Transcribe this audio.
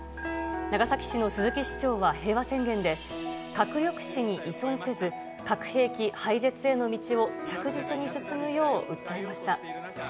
長崎市の鈴木市長は平和宣言で核抑止に依存せず核兵器廃絶への道を着実に進むよう訴えました。